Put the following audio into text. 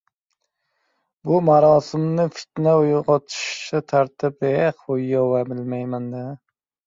Bu marosimni fitna uyg‘otuvchi tadbir desak, yanglishmasmiz.